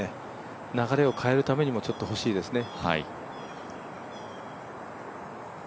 流れを変えるためにもほしいですね。